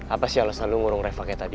apa sih alasan lu ngurung reva kayak tadi